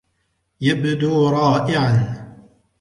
يبدو رائعا.